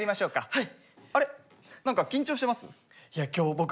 はい。